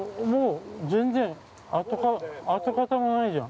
全然、跡形もないじゃん。